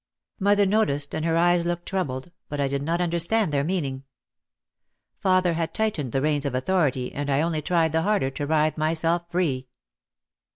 Mother noticed and her eyes looked troubled but I did not understand their meaning. Father had tightened the reins of authority and I only tried the harder to writhe myself free.